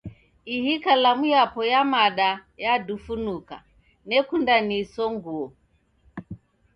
Ihi kalamu yapo ya mada yadufunuka, nekunda niisonguo.